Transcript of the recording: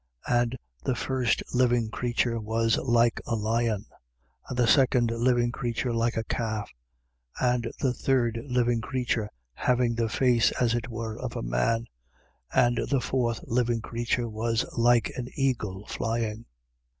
4:7. And the first living creature was like a lion: and the second living creature like a calf: and the third living creature, having the face, as it were, of a man: and the fourth living creature was like an eagle flying.